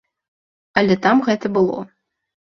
Але там гэта было.